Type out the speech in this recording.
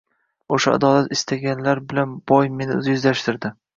O‘sha adolat istaganlar bilan boy meni yuzlashtirdi.